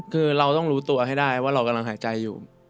คือเราต้องรู้ตัวให้ได้ว่าเรากำลังหายใจอยู่